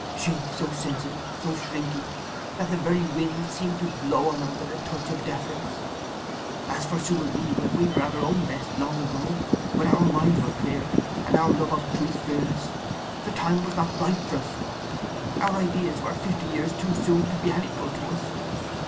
She, so sensitive, so shrinking, that the very wind seemed to blow on her with a touch of deference… As for Sue and me when we were at our own best, long ago—when our minds were clear, and our love of truth fearless—the time was not ripe for us! Our ideas were fifty years too soon to be any good to us.